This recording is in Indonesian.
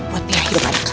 buat pihak hidup anak kamu